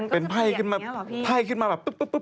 เปลี่ยนมันก็หนีแบบนี้หรอพี่